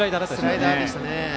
スライダーでしたね。